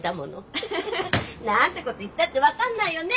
アハハ。なんてこと言ったって分かんないよね